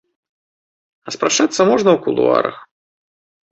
А спрачацца можна ў кулуарах.